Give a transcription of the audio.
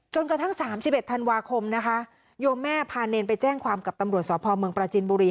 กระทั่ง๓๑ธันวาคมนะคะโยมแม่พาเนรไปแจ้งความกับตำรวจสพเมืองปราจินบุรี